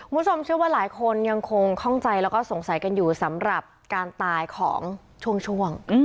คุณผู้ชมเชื่อว่าหลายคนยังคงคล่องใจแล้วก็สงสัยกันอยู่สำหรับการตายของช่วง